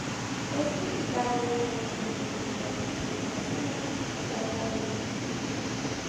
Es militante del Movimiento de Unidad Plurinacional Pachakutik.